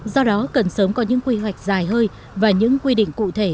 do đó cần sớm có những quy hoạch dài hơi và những quy định cụ thể